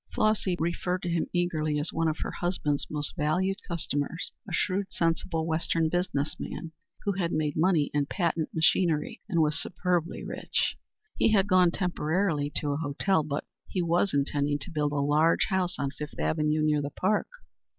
Flossy referred to him eagerly as one of her husband's most valuable customers, a shrewd, sensible, Western business man, who had made money in patent machinery and was superbly rich. He had gone temporarily to a hotel, but he was intending to build a large house on Fifth Avenue near the park.